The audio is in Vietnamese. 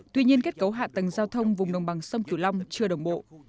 tuy nhiên kết cấu hạ tầng giao thông vùng đồng bằng sông cửu long chưa đồng bộ